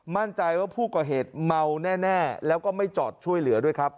มั่นใจว่าผู้ก่อเหตุเมาแน่แล้วก็ไม่จอดช่วยเหลือด้วยครับ